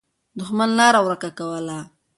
دښمن لاره ورکه کوله.